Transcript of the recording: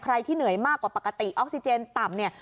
ที่เหนื่อยมากกว่าปกติออกซิเจนต่ำเนี่ย